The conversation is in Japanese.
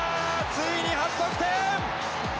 ついに初得点！